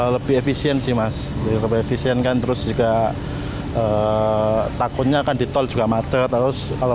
lebih efisien sih mas lebih efisien kan terus juga takutnya akan ditol juga maca terus kalau